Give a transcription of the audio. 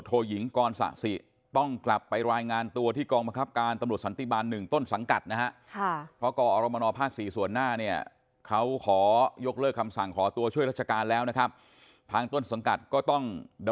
ทุกคนต้องอยู่ใต้บทหมายเดียวกัน